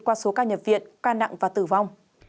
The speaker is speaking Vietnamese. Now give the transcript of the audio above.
qua số ca nhập viện ca nặng và tử vong